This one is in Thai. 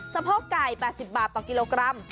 สะโพกไก่๘๐บาทต่อกิโลกรัม